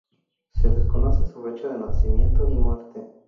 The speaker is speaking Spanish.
Se desconoce su fecha de nacimiento y muerte.